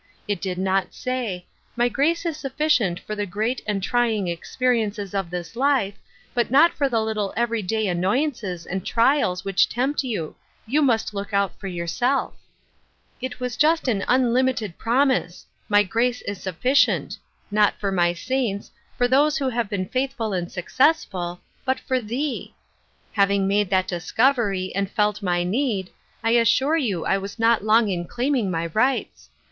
It did not say, ' My grace is sufficient for the groat and trying experiences of this life, but ncc for the little every day annoyances and uiak. which tempt you. — you must look out for yourself.' Looking for an Easy Yoke. 209 It yas just an unlimited promise —' My grace is sufl&cient — not for my saints, for those who have been faithful and successful, but for thep .'' Having made that discovery, and felt my need, I assure you I was not long in claiming m\ riglits.